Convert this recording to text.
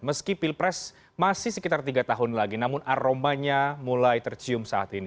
meski pilpres masih sekitar tiga tahun lagi namun aromanya mulai tercium saat ini